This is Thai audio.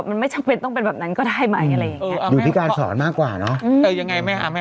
มันไม่จำเป็นต้องเป็นแบบนั้นก็ได้ไหมอยู่ที่การสอนมากกว่าเนอะ